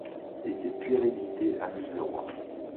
Et ses puérilités amusent le Roi.